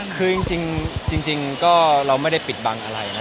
คือจริงก็เราไม่ได้ปิดบังอะไรนะ